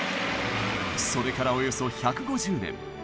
それからおよそ１５０年。